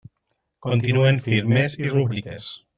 Continuen firmes i rúbriques.